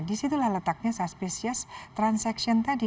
disitulah letaknya suspecies transaction tadi